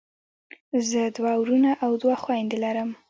زه دوه وروڼه او دوه خویندی لرم.